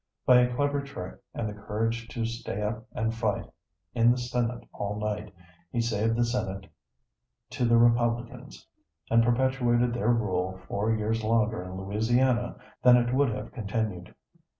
By a clever trick and the courage to stay up and fight in the senate all night, he saved the senate to the Republicans and perpetuated their rule four years longer in Louisiana than it would have continued.